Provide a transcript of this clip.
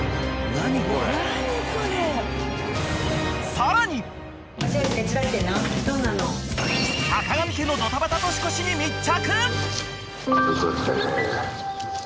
［さかがみ家のドタバタ年越しに密着！］